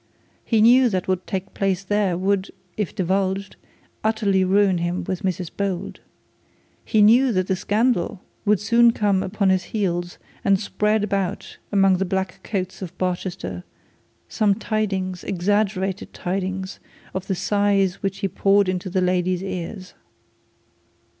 He knew that what took place would if divulged utterly ruin him with Mrs Bold. He knew that scandal would soon come upon his heels and spread abroad among the black coats of Barchester some tidings, some exaggerated tidings, of the sighs which he poured into the lady's ears.